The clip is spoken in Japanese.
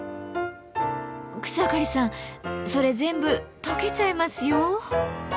草刈さんそれ全部とけちゃいますよ。